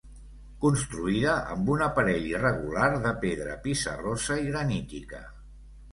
Construïda amb un aparell irregular de pedra pissarrosa i granítica.